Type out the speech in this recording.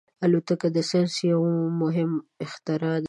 الوتکه د ساینس یو مهم اختراع ده.